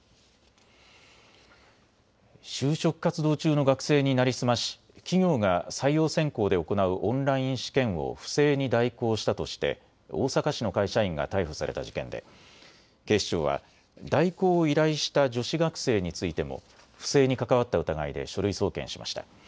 就職活動中の学生に成り済まし企業が採用選考で行うオンライン試験を不正に代行したとして大阪市の会社員が逮捕された事件で警視庁は代行を依頼した女子学生についても不正に関わった疑いで書類送検しました。